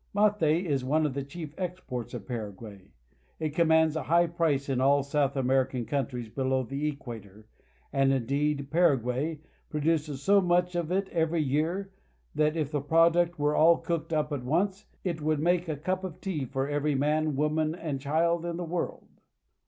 Mate is one of the chief exports of Para guay. It commands a high price in all South American countries below the equator, and, indeed, Paraguay pro duces so much of it every year that if the product were all cooked up at once it would make a cup of tea for every man, woman, and child in the world.